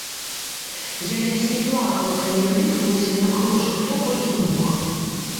Я ледзь не плакала, калі яны прыносілі нам грошы, хто колькі мог.